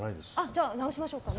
じゃあ、直しましょうかね。